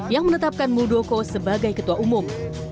yang menetapkan muldoko sebagai ketua umum